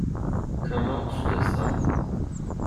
Comment tu te sens?